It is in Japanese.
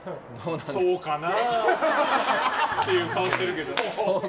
そうかなあっていう顔してるけど。